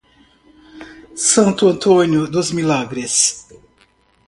Santo Antônio dos Milagres